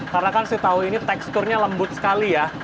karena kan si tahu ini teksturnya lembut sekali ya